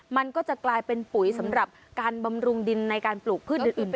มันก็จะกลายเป็นปุ๋ยสำหรับการบำรุงดินในการปลูกพืชอื่น